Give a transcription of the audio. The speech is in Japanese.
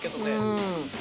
うん。